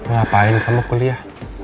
ngapain kamu kuliah